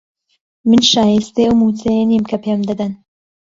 من شایستەی ئەو مووچەیە نیم کە پێم دەدەن.